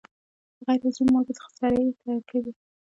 د غیر عضوي مالګو څخه سرې ترکیب کړي.